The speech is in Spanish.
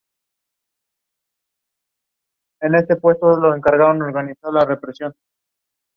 Acosta y Lara estaba acusado de ser uno de los ideólogos.